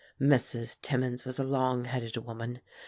Mrs. Timmins was a long headed woman.